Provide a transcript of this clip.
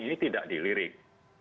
ini tidak dilirik